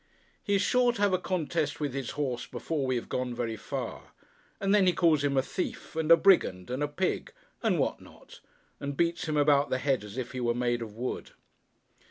He is sure to have a contest with his horse before we have gone very far; and then he calls him a Thief, and a Brigand, and a Pig, and what not; and beats him about the head as if he were made of wood.